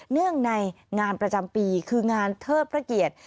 เนื่องในงานประจำปีคืองานเทิดพระเกียรติ